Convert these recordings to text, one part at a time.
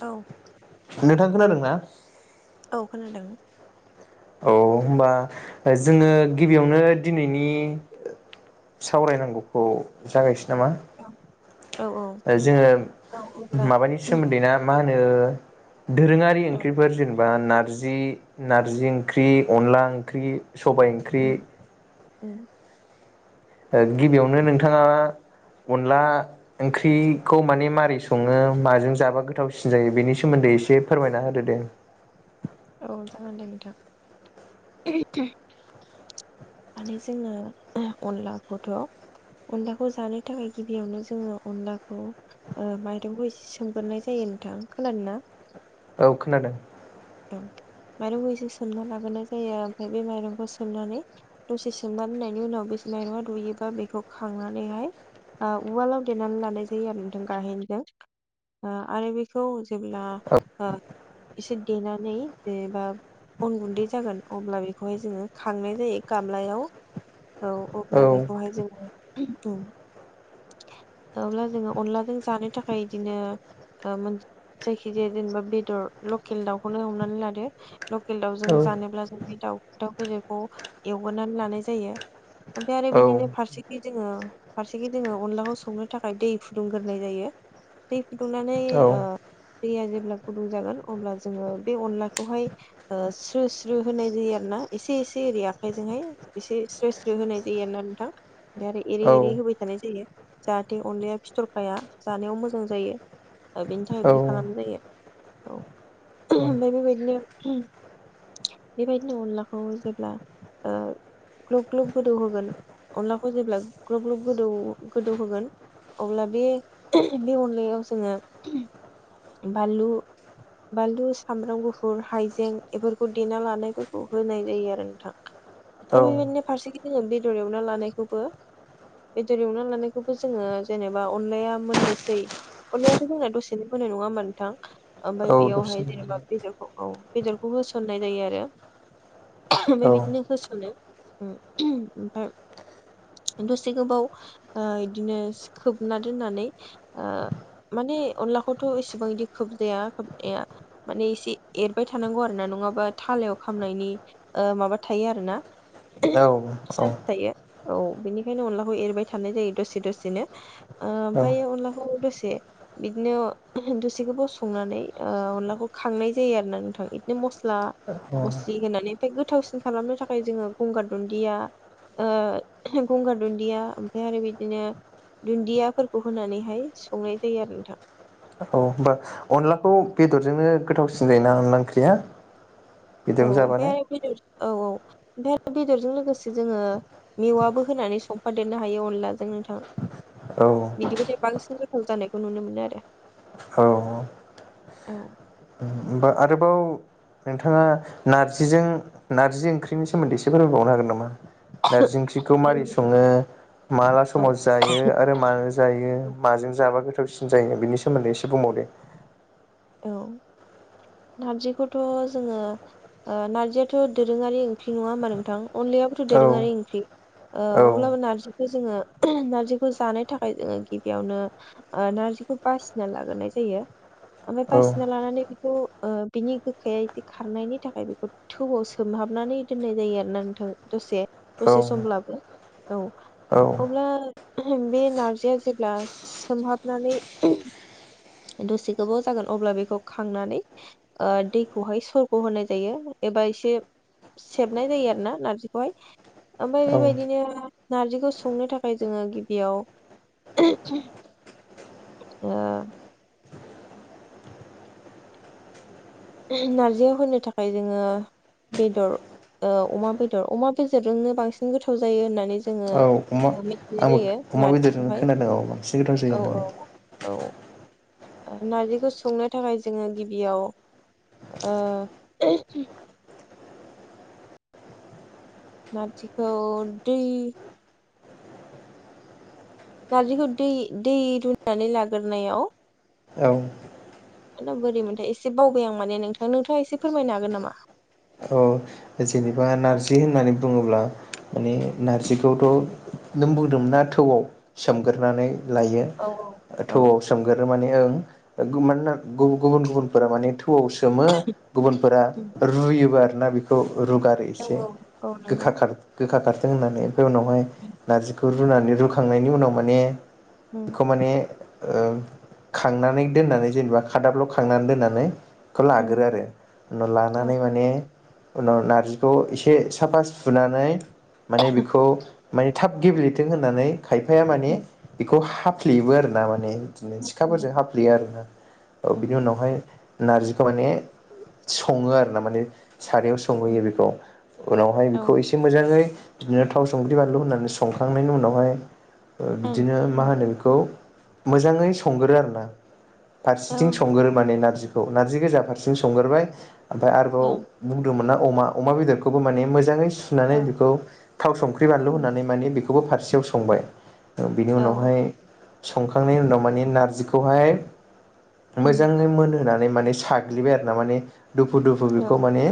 औ नोंथां खोनादों ना औ खोनादों औ होनबा जोङो गिबियावनो दिनैनि ओ सावरायनांगौखौ जागायसै नामा औ औ ओ जोङो अब्ला माबानि उम सोमोन्दै ना मा होनो दोरोङारि ओंख्रिफोर जेनेबा नारजि नारजि ओंख्रि अनला ओंख्रि सबाय ओंख्रि उम उम ओ गिबियावनो नोंथाङा अनला ओंख्रिखौ माने मारै सङो माजों जाबा गोथावसिन जायो बेनि सोमोन्दै एसे फोरमायना होदो दे औ जागोन दे नोंथां उमह उम माने जोङो ओह अनलाखौथ' अनलाखौ जानो थाखाय गिबियावनो जोङो अनलाखौ ओ माइरंखौ इसे सोमगोरनाय जायो नोंथां खोनादोंना औ खोनादों औ माइरंखौ एसे सोमना लागोरनाय जायो ओमफाय बे माइरंखौ सोमनानै दसे सोमनानै दोननायनि उनाव बे माइरंआ रुयोबा बेखौ खांनानैहाय ओ उवालाव देनानै लानाय जायो आरो नोंथां गाहेनजों ओ आरो बेखौ जेब्ला ओ एसे देनानै जेनेबा अन गुन्दै जागोन अब्ला बेखौ हाय जोङो खांनाय जायो गामब्लायाव औ अब्ला बेखौहाय जोङो उम उम अब्ला जोङो अनलाजों जानो थाखाय इदिनो ओ मोन जायखिजाया जेनेबा बेदर लखेल दाउखौनो हमनानै लादो लकेल दाउजों औ जानोब्ला जों बे दाउ दाउ [unintelligible] खौ एवगोरनानै लानाय जायो ओमफाय आरो औ बिदिनो फारसेथिं जोङो फारसेखै जोङो अनलाखौ संनो थाखाय दै फुदुंगोरनाय जायो दै फुदुंनानै औ ओ दैया जेब्ला गुदुं जागोन अब्ला जोङो बे अनलाखौहाय ओ स्रो स्रो होनाय जायो आरो ना एसे एसे ओरै आखाइजोंहाय एसे स्रो स्रो होनाय जायो आरो ना नोंथां ओमफाय आरो एरै एरै औ होबाय थानाय जायो जाहाथे अनलाया फिथरखाया जानायाव मोजां जायो ओ बेनि औ थाखाय बिदि खालामनाय जायो औ उमह औ ओमफाय बेबायदिनो उमहम बेबायदिनो अनलाखौ जेब्ला ओ ग्लोब ग्लोब गोदौ होगोन अनलाखौ जेब्ला ग्लब ग्लब गोदौ गोदौ होगोन अब्ला बे उमह बे अनलायाव जोङो ओह बानलु बानलु सामब्राम गुफुर हाइजें एफोरखौ देना लानायफोरखौ होनाय जायो आरो नोंथां औ ओमफाय बेबायदिनो फारसेखै जोङो बेदर एवना लानायखौबो बेदर एवना लानायखौबो जोङो जेनेबा अनलाया मोननोसै अनलायाथ' जोंना दसेनो मोनो नङा होमबा नोंथां औ ओमफाय बेयावहाय दसेनो जेनेबा बेदरखौ औ बेदरखौ होसननाय जायो आरो ओह औ ओमफाय बिदिनो होस'नदो उम उमह ओमफाय दसे गोबाव ओ एदिनो खोबना दोननानै ओ माने अनलाखौथ' एसिबां इदि खोबजाया ए माने एसे एरबाय थानांगौ आरो ना नङाबा थालायाव खामनायनि ओ माबा थायो आरो ना औ ओह औ चान्स थायो औ बेनिखायनो अनलाखौ एरबाय थानाय जायो दसे दसेनो औ ओमफायो अनला खौ दसे बिदिनो ओह दसे गोबाव संनानै ओ अनलाखौ खांनाय जायो आरो ना नोंथां बिदिनो मस्ला-मस्लि होनानै ओमफ्राय गोथावसिन खालामनो थाखाय जोङो गंगार दुन्दिया ओ गंगार दुन्दिया ओमफ्राय आरो बिदिनो दुन्दियाफोरखौ होनानैहाय संनाय जायो आरो नोंथां। औ होमबा अनलाखौ बेदरजोंनो गोथावसिन जायोना अनला ओंख्रिया? औ बेदरजों ओमफ्राय जाबानो आरो बेदर औ औ। ओमफ्राय आरो बेदरजों लोगोसे जोङो मेवाबो होनानै संफादेरनो हायो अनलाजों नोंथां औ बिदिबाथाय बांसिन गोथाव जानायखौ नुनो मोनो आरो औ। ओमबा आरोबाव नोंथाङा नार्जिजों नार्जि ओंख्रिनि सोमोन्दै एसे फोरमायबावनो हागोन नामा? नारजि ओंख्रिखौ हायो माबोरै नोंथां। सङो माला औ समाव जायो आरो मानो जायो औ माजों जाबा गोथाव गोथावसिन जायो बिनि सोमोन्दै एसे बुंबावदे। औ नारजिखौथ' जोङो ओ नारजियाथ' दोरोङारि ओंख्रि नङा होमा नोंथां? अनलायाबोथ' औ दोरोङारि ओंख्रि। ओ औ अब्लाबो नारजिखौ जोङो नारजिखौ जानो थाखाय जोङो गिबियावनो ओ नारजिखौ बासिना लाग्रोनाय जायो। ओमफ्राय औ बासिना लानानै बेखौ ओ बिनि गोखाया एदि खारनायनि थाखाय बेखौ थौआव सोमहाबनानै दोननाय जायो आरोना नोंथां दसे दसे समब्लाबो औ औ अब्ला बे नारजिया जेब्ला सोमहाबनानै दसे गोबाव जागोन अब्ला बेखौ खांनानै ओ दैखौहाय सरख' होनाय जायो एबा एसे सेबनाय जायो आरो ना नार्जिखौहाय ओमफ्राय औ बेबायदिनो नार्जिखौ संनो थाखाय जोङो गिबियाव ओ नारजियाव होनो थाखाय जोङो बेदर ओ अमा बेदर अमा बेदरजोंनो बांसिन गोथाव जायो होननानै जोङो औ अमा मिथिनाय आंबो जायो अमा बेदरजोंनो नारजिखौहाय खोनादों औ बांसिन गोथाव जायो औ होननानै। औ औ नारजिखौ संनो थाखाय जोङो गिबियाव ओ नारजिखौ दै नारजिखौ दै दै रुनानै लाग्रोनायाव औ बोरै मोनथाय एसे बावबाय आं माने नोंथां नोंथाङा एसे फोरमायनो हागोन नामा? जेनेबा औ नारजि होननानै बुङोब्ला माने नारजिखौथ' नों बुंदोंमोन ना थौआव सोमगोरनानै लायो औ औ थौआव सोमगोरो माने [unintelligible] मानोना गुबुन गुबुन फोरा माने थु फुआव सोमो गुबुनफोरा उम रुयोबो आर [unintelligible] [unintelligible] रुगारो औ एसे औ औ नंगौ गोखा गोखा खार होननानै उनावहाय नारजि रुनानै रुखांनायनि उनाव माने उम बेखौ माने ओ खांनानै दोननानै जेनेबा खादाफ्राव खांनानै दोननानै खौ उम लाग्रो आरो उनाव औ लानानै माने उनाव नारजिखौ एसे साफा सुनानै माने बेखौ माने थाब गेब्लेथों होननानै खायफाया माने उम बेखौ हाब फेयोबो आरोना माने बिदिनो उम सिखाफोरजों उम हाफ्लेयो आरोना औ बिनि उम उनावहाय नारजिखौ माने सङो आरो ना माने सारायाव संहैयो बेखौ उनावहाय औ बेखौ एसे मोजाङै बिदिनो थाव संख्रि बानलु होननानै संखांनायनि उनावहाय ओं बिदिनो मा होनो बे खौ मोजाङै संग्रो आरो ना औ फारसेथिं संगोरो माने नारजि खौ नारजि गोजा फारसें संग्रोबाय ओमफ्राय आरोबाव ओं बुंदोंमोन ना अमा अमा बेदरखौबो माने मोजाङै सुनानै औ बेखौ थाव सख्रै बानलु उम होननानै मने बि खौबो फारसेयाव संबाय बिनि औ उनावहाय संखांनायनि उनाव माने नारजिखौहाय उम मोजाङै मोनहोनानै माने साग्लिबाय आरो ना माने दुफु दुफु बेखौ औ माने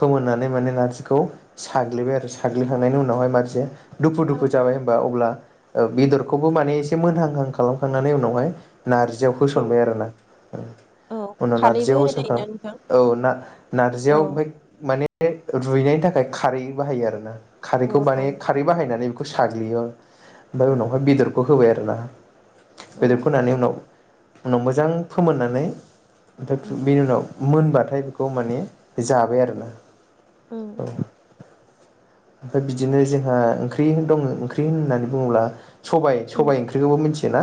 फोमोननानै माने नारजिखौ साग्लिबाय आरो साग्लिखांनायनि उनावहाय मारसे दुफु दुफु जाबाय होनबा अब्ला बेदरखौबो माने एसे मोनहांहां खालामखांनानै उनावहाय नार्जियाव औ होसनबाय आरो ना औ उनाव खारैबो नारजियाव होनाय होसनखां जायोना नोंथां औ ना ना बेयाव औ ओमफाय माने रुइनायनि थाखाय खारै बाहायो आरो ना औ खारैखौ औ माने खारै बाहायनानै बेखौ साग्लियो ओमफ्राय औ उनावहाय बेदरखौ होबाय आरो ना औ बेदरखौ होनानै उनाव उनाव मोजां फोमोननानै ओमफाय उम बेनि उनाव मोनबाथाय बेखौ माने जाबाय आरो ना उम ओमफ्राय बिदिनो जोंहा ओंख्रि दङ ओंख्रि होन होननानै बुङोब्ला सबाय उम सबायाइ ओंख्रिखौबो मिथि थिना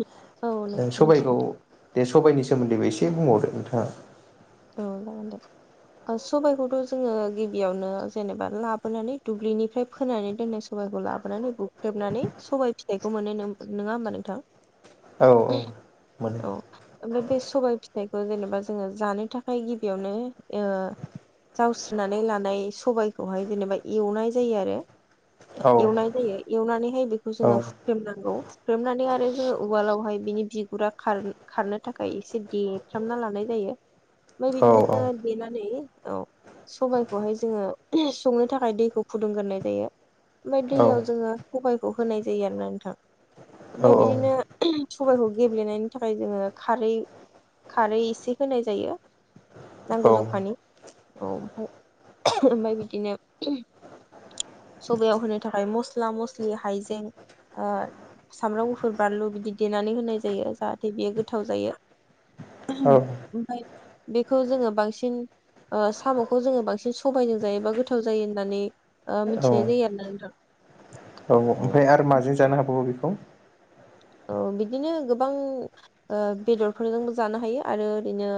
औ नों नों नों बे सबाइनि सोमोन्दैबो एसे बुंबावदो नोंथाङा औ जागोन दे सबायखौथ' जोङो गिबियावनो जेनेबा लाबोनानै दुब्लिनिफ्राय फोनानै दोननाय सबायखौ लाबोनानै बु हुख्रेबनानै सबाय फिथाइखौ मोनो नो-नोङा होमबा नोंथां औ औ मोनो औ ओमफ्राय बे सबाय फिथाइ खौ जेनेबा जोङो जानो थाख खाय गिबियावनो जावस्रिनानै लानाय सबायखौहाय जेनेबा एवनाय जायो आरो औ एवनाय जायो एवनानैहाय बेखौ औ जोङो हुख्रेमनांगौ हुख्रेमनानै आरो जोङो उवालावहाय बिनि बिगुरा खार-खारनो थाखाय एसे देफ्रामना लानाय जायो ओमफ्राय औ बिदिनो देनानै औ सबायखौहाय जोङो संनो थाखाय दैखौ फुदुंग्रोनाय जायो ओमफ्राय औ दैयाव जोङो सबायखौ होनाय जायो आरोना नोंथां ओमफ्राय बिदिनो सबाइखौ गेब्लेनायनि थाखाय जोङो खारै खारै एसे होनाय जायो औ नांगौ जखानि औ ओमफ्राय ओमफ्राय बिदिनो सबायाव होनो थाखाय मस मस्ला मस्लि हाइजें सामब्राम गुफुर बानलु बिदि देनानै होनाय जायो जाहाथे बेयो गोथाव जायो ओमफ्राय बेखौ जोङो बांसिन ओ साम'खौ जोङो बांसिन सबायजों जायोबा गोथाव जायो होननानै ओ औ मिथिनाय जायो आरोना ओंथां औ ओमफ्राय आरो माजों औ जानो हाबावो बेखौ औ बिदिनो गोबां ओ बेदरफोरजोंबो जानो हायो आरो ओरैनो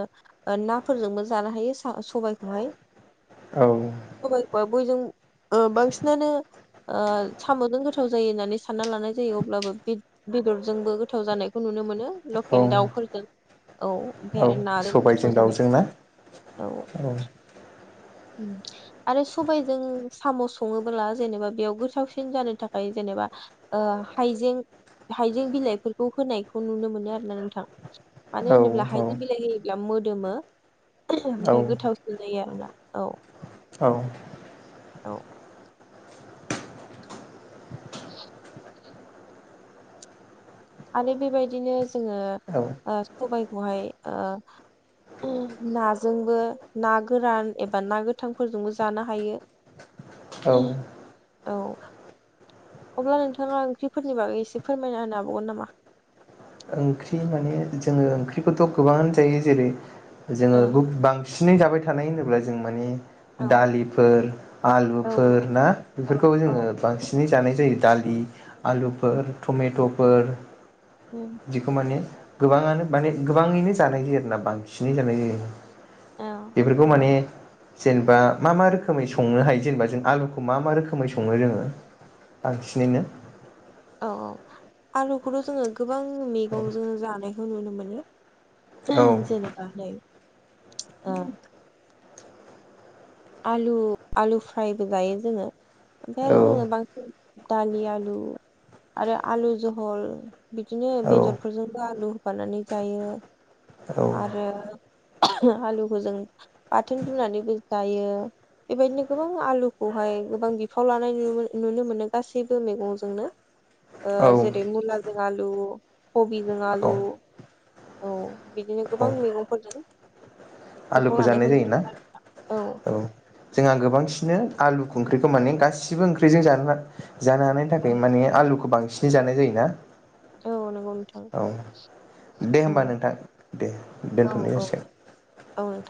ओ नाफोरजोंबो जानो हायो सबायखौहाय औ सबायखौ बयजों ओ बांसिनानो ओ साम'जों गोथाव जायो होननानै सानना लानाय जायो अब्लाबो बे बेदरजोंबो गोथाव जानायखौ नुनो मोन नो औ लकेल दाउफोरजों औ ओमफ्राय औ आरो नाजोंबो सबायजों गोथाव जानाय दाउजों ना औ औ आरो सबायजों साम' सङोबोला जेनेबा बेयाव गोथावसिन जानो थाखाय जेनेबा ओ हाइजें हाइजें बिलाइफोरखौ होनायखौ नुनो मोनो आरोना नोंथां मानो औ होनोब्ला औ हाइजें बिलाइ होयोब्ला मो [inaudible] ओमफ्राय गोथावसिन जायो आरोना औ औ औ [inaudible] आरो बेबायदिनो जोंङो औ सबाय। बेहाय ओ नाजोंबो ना गोरान एबा ना गोथांफोरजोंबो जानो हायो। औ। औ। अब्ला नोंथाङा ओंख्रिफोरनि बागै एसे फोरमायना होनो हाबावगोन नामा? ओंख्रि माने जोङो ओंख्रिखौथ गोबां जायो जेरै जोंङो ओं गोबां बां सिनै जाबाय थानाय होनोब्ला जों माने। औ दालिफोर आलुफोर ना बेफोरखौ औ औ जोंङो बांसिनै जानाय जायो दालि। बि आलुफोर औ टमेटफोर उम बिदिखौ माने गोबाङानो माने गोबाङैनो जानाय जायो आरोना बांसिनै जानाय जायो। औ बेफोरखौ माने। जेनेबा मा मा रोखोमै संनो हायो जेनेबा जों आलुखौ मा मा रोखोमै संङो जोंङो बांसिनैनो? औ औ आलुखौथ जोंङो। गोबां मैगंजों जानाय। नुनो मोनो। औ जेनेबा नै ओ आलु आलु फ्रायबो जायो जोंङो। ओमफ्राय औ आरो जोंङो बांसिन। दालि आलु आरो आलु जहल। बिदिनो औ बेदरफोरजोंबो आलु। बानायनानै जायो। आरो आलुखौ जों बाथोन रुनानैबो जायो बेबायदिनो गोबां आलुखौहाय गोबां बिफाव लानाय नुनो मोनो गासैबो मैगंजोंनो। ओ औ जेरै मुला जों आलु कबिजों आलु औ औ बिदिनो गोबां औ मैगंफोरजों बिफाव आलुखौ लानायखौ जानाय नुनो जायोना? मोनो आरो। औ जोंहा गोबांसिनो आलुखो ओंख्रिखौ माने गासिबो ओंख्रिजों जा जानो हानायनि थाखाय माने आलुखौ बांसिन। सिनै जानाय जायोना? औ नंगौ नोंथां औ दे औ होमबा नोंथां दे औ दोनथ'नाय औ जासिगोन। औ नोंथां